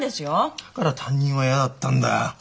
だから担任は嫌だったんだよ。